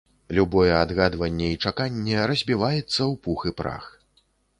Любое адгадванне і чаканне разбіваецца ў пух і прах.